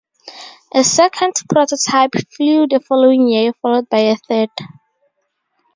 A second prototype flew the following year, followed by a third.